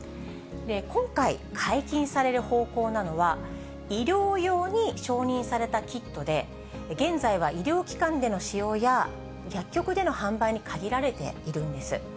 今回、解禁される方向なのは、医療用に承認されたキットで、現在は医療機関での使用や、薬局での販売に限られているんです。